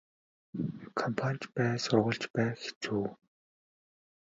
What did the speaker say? Компани ч бай сургууль ч бай хэцүү.